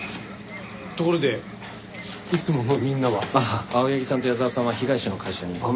ところでいつものみんなは？ああ青柳さんと矢沢さんは被害者の会社に。